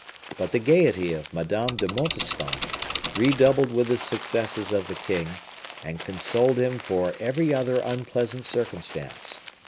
But the gayety of Madame de Montespan redoubled with the successes of the king, and consoled him for every other unpleasant circumstance.